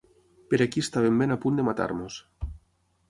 Per aquí estàvem ben a punt de matar-nos.